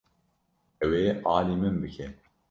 Ew ê alî min bike.